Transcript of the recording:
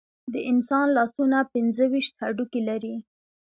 د انسان لاسونه پنځه ویشت هډوکي لري.